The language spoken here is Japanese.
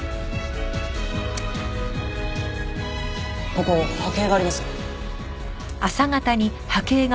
ここ波形があります。